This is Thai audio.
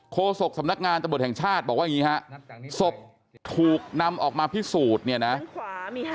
โศกสำนักงานตำรวจแห่งชาติบอกว่าอย่างนี้ฮะศพถูกนำออกมาพิสูจน์เนี่ยนะ